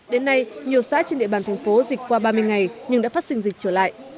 đến nay nhiều xã trên địa bàn thành phố dịch qua ba mươi ngày nhưng đã phát sinh dịch trở lại